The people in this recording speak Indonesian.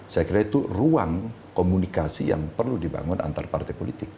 saya kira itu ruang komunikasi yang perlu dibangun antar partai politik